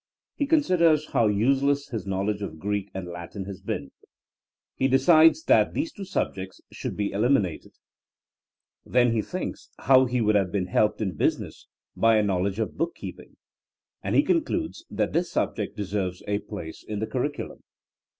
He considers how useless his knowledge of Greek and Latin has been. He decides that these two subjects should be eliminated. Then 11 12 THINKmO AS A SCIENCE he thinks how he would have been helped in busi ness by a knowledge of bookkeeping, and he con cludes that this subject deserves a place in the curriculum.